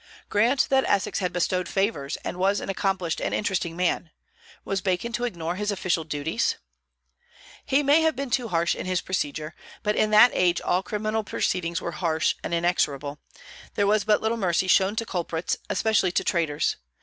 Grant that Essex had bestowed favors, and was an accomplished and interesting man, was Bacon to ignore his official duties? He may have been too harsh in his procedure; but in that age all criminal proceedings were harsh and inexorable, there was but little mercy shown to culprits, especially to traitors.